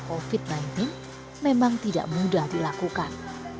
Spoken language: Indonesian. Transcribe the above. tapi kalau covid sembilan belas memang tidak mudah dilakukan